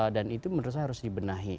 dan itu menurut saya harus dibenahi